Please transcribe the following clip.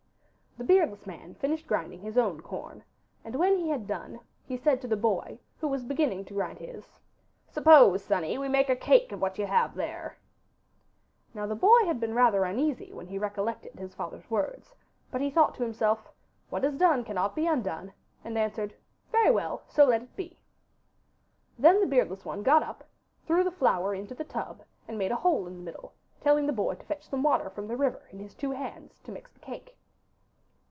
The beardless man finished grinding his own corn, and when he had done he said to the boy, who was beginning to grind his, 'Suppose, sonny, we make a cake of what you have there.' Now the boy had been rather uneasy when he recollected his father's words, but he thought to himself, 'What is done cannot be undone,' and answered, 'Very well, so let it be.' Then the beardless one got up, threw the flour into the tub, and made a hole in the middle, telling the boy to fetch some water from the river in his two hands, to mix the cake.